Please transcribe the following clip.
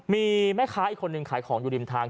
มีแม่ค้าอีกคนนึงขายของอยู่ริมทาง